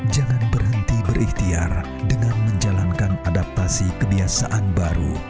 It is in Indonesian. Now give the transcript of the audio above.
jangan berhenti berikhtiar dengan menjalankan adaptasi kebiasaan baru